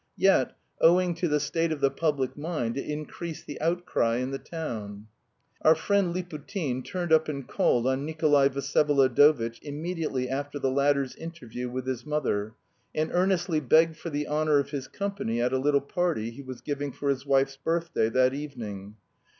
Yet, owing to the state of the public mind, it increased the outcry in the town. Our friend Liputin turned up and called on Nikolay Vsyevolodovitch immediately after the latter's interview with his mother, and earnestly begged for the honour of his company at a little party he was giving for his wife's birthday that evening.